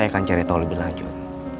saya akan cerita lebih lanjut